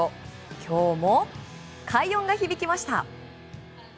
今日も快音が響きました。